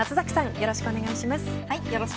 よろしくお願いします。